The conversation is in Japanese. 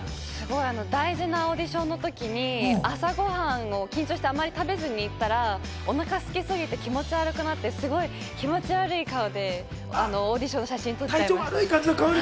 大事なオーディションのときに朝ご飯を緊張してあまり食べずに行ったら、お腹がすきすぎて気持ち悪くなってすごい気持ち悪い顔でオーディションの写真を撮っちゃいました。